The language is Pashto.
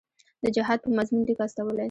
د جهاد په مضمون لیک استولی.